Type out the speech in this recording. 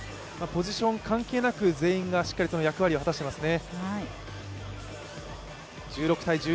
ポジション関係なく全員がしっかり役割を果たしてますね。